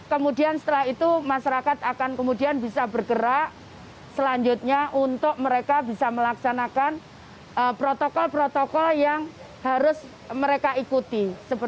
kemudian setelah itu masyarakat akan kemudian bisa bergerak selanjutnya untuk mereka bisa melaksanakan protokol protokol yang harus mereka ikuti